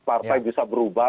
partai bisa berubah